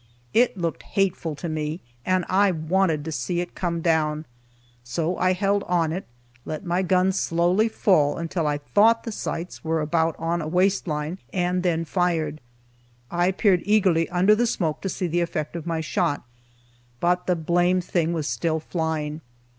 It looked hateful to me, and I wanted to see it come down. So I held on it, let my gun slowly fall until I thought the sights were about on a waist line, and then fired. I peered eagerly under the smoke to see the effect of my shot, but the blamed thing was still flying.